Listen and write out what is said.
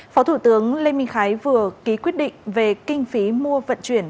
phó thủ tướng lê minh khái vừa ký quyết định về kinh phí mua vận chuyển